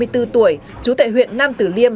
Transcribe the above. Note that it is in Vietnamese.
hai mươi bốn tuổi chú tệ huyện nam tử liêm